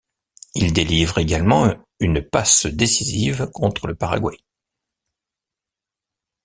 Il délivre également une passe décisive contre le Paraguay.